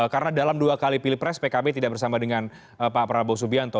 karena dalam dua kali pilpres pkb tidak bersama dengan pak prabowo subianto